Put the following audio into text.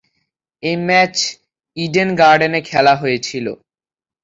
এই match Eden গার্ডেনে খেলা হয়েছিল।